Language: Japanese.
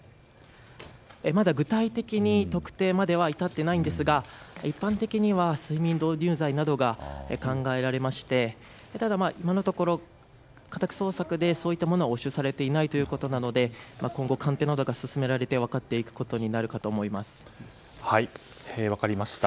まだ具体的に特定までは至ってないんですが一般的には、睡眠導入剤などが考えられましてただ、今のところ家宅捜索でそういったものは押収されていないということなので今後、鑑定などが進められて分かっていくことになるかと分かりました。